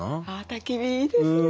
たき火いいですね。